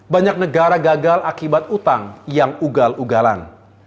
banyak negara gagal akibat utang yang ugal ugalan